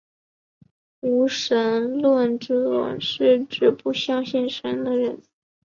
无神论者是指不相信神的人。